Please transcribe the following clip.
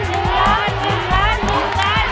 หนึ่งล้านหนึ่งล้านหนึ่งล้าน